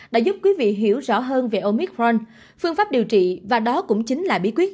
đã giúp quý vị hiểu rõ hơn về omicron phương pháp điều trị và đó cũng chính là bí quyết